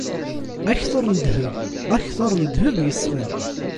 Akter n ddheb, akter n ddheb yeṣfan.